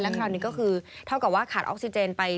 คราวนี้ก็คือเท่ากับว่าขาดออกซิเจนไป